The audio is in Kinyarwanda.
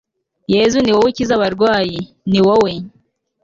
yezu ni wowe ukiza abarwayi, ni wowe